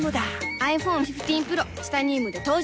ｉＰｈｏｎｅ１５Ｐｒｏ チタニウムで登場